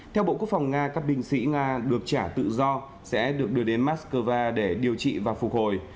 theo bộ quốc phòng nga các binh sĩ nga được trả tự do sẽ được đưa đến moscow để điều trị và phục hồi